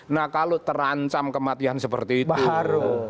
nah kalau terancam kematian seperti itu